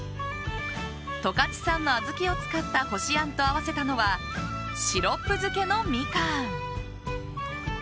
十勝産の小豆を使ったこしあんと合わせたのはシロップ漬けのミカン。